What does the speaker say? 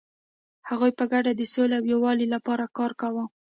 هغوی په ګډه د سولې او یووالي لپاره کار کاوه.